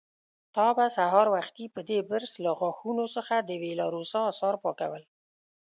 تا به سهار وختي په دې برس له غاښونو څخه د وېلاروسا آثار پاکول.